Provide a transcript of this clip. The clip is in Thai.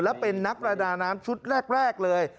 และเป็นนักประดาน้ำชุดแรกเลย